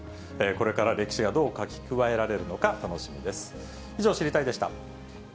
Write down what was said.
これから歴史がどう書き加えられるのか、楽しみです。